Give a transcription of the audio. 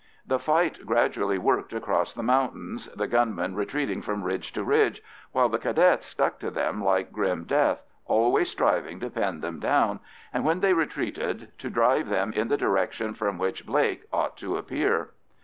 The fight gradually worked across the mountains, the gunmen retreating from ridge to ridge, while the Cadets stuck to them like grim death, always striving to pin them down, and when they retreated to drive them in the direction from which Blake ought to appear.